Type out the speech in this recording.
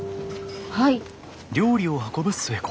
はい。